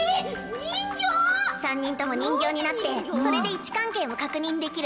人形⁉３人とも人形になってそれで位置関係も確認できる。